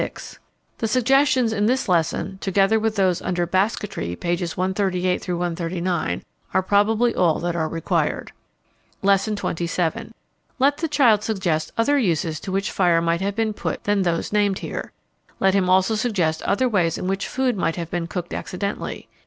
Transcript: _ The suggestions in this lesson, together with those under Basketry, pp. 138 139, are probably all that are required. Lesson XXVII. Let the child suggest other uses to which fire might have been put than those named here. Let him also suggest other ways in which food might have been cooked accidentally.